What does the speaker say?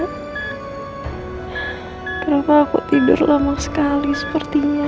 kenapa aku tidur lama sekali sepertinya